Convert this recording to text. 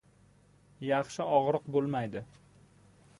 • Yaxshi og‘riq bo‘lmaydi.